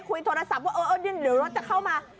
คุยโทรศัพท์ว่าเออเดี๋ยวรถจะเข้ามา